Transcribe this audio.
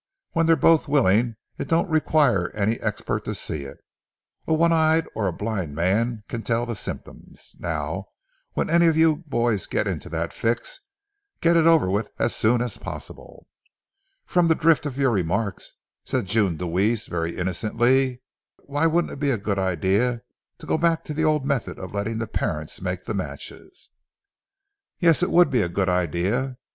When they're both willing, it don't require any expert to see it—a one eyed or a blind man can tell the symptoms. Now, when any of you boys get into that fix, get it over with as soon as possible." "From the drift of your remarks," said June Deweese very innocently, "why wouldn't it be a good idea to go back to the old method of letting the parents make the matches?" "Yes; it would be a good idea.